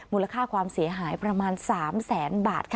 มูลค่าความเสียหายประมาณ๓แสนบาทค่ะ